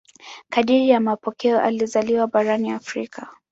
Kadiri ya mapokeo alizaliwa barani Afrika.